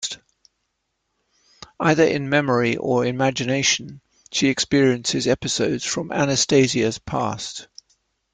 Either in memory or imagination, she experiences episodes from Anastasia's past ...